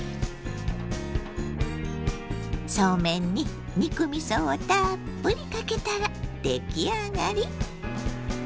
そうめんに肉みそをたっぷりかけたら出来上がり！